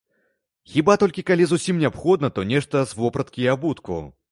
Хіба толькі калі зусім неабходна, то нешта з вопраткі і абутку.